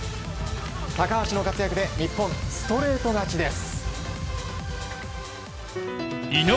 高橋の活躍で日本、ストレート勝ちです。